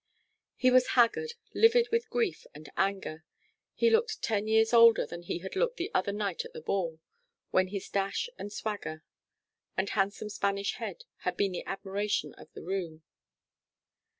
He was haggard, livid with grief and anger. He looked ten years older than he had looked the other night at the ball, when his dash and swagger, and handsome Spanish head had been the admiration of the room.